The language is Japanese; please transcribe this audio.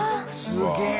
すげえ！